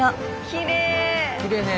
きれいね。